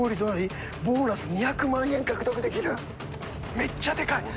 めっちゃでかい！